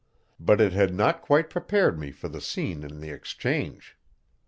But it had not quite prepared me for the scene in the Exchange.